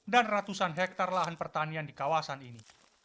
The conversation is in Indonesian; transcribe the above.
dan ratusan hektare lahan pertanian di kawasan ini